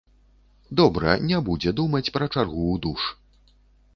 Добра, не будзе думаць пра чаргу ў душ.